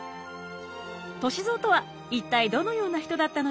歳三とは一体どのような人だったのでしょう？